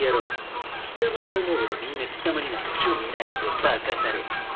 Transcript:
貴様の思うほどみんな貴様になんか興味ないぞ馬鹿たれ。